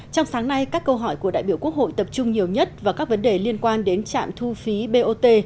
trong sáng nay các câu hỏi của đại biểu quốc hội tập trung nhiều nhất vào các vấn đề liên quan đến trạm thu phí bot